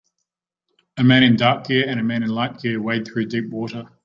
A man in dark gear and a man in light gear wade through deep water.